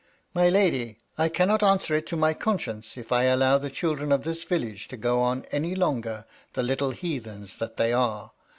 "My lady, I cannot answer it to my conscience, if I allow the children of this village to go on any longer the little heathens that they are.